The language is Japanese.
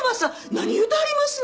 何言うてはりますの！